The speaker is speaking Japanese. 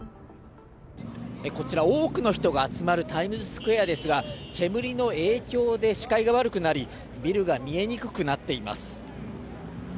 こちら、多くの人が集まるタイムズスクエアですが、煙の影響で視界が悪くなり、ビルが見えにくくなっています。